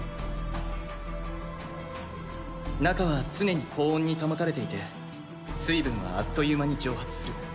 中は常に高温に保たれていて水分はあっという間に蒸発する。